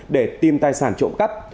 để tìm tài sản trộm cắp